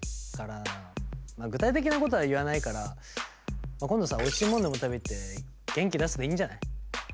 まあ具体的なことは言わないから今度さおいしいもんでも食べ行って元気出せばいいんじゃない？